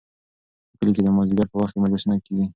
په کلي کې د مازدیګر په وخت کې مجلسونه کیږي.